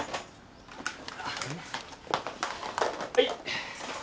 はい。